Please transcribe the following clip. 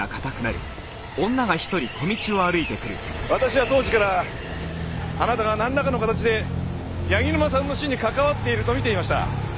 私は当時からあなたが何らかの形で柳沼さんの死に関わっているとみていました。